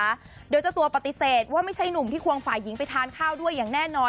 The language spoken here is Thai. เจ้าตัวปฏิเสธว่าไม่ใช่หนุ่มที่ควงฝ่ายหญิงไปทานข้าวด้วยอย่างแน่นอน